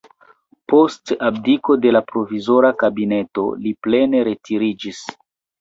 Post abdiko de la provizora kabineto li plene retiriĝis.